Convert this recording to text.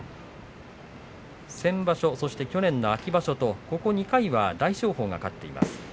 先場所、そして去年の秋場所とここ２回は大翔鵬が勝っています。